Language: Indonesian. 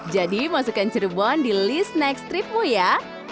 jadi masukkan cirebon di list next trip mu ya